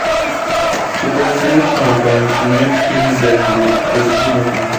چې په حکومت او په حاکمیت کې مې د حامد کرزي لخوا.